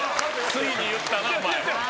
ついに言ったな。